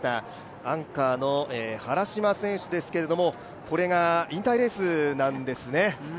アンカーの原嶋選手ですけども、これが引退レースなんですね。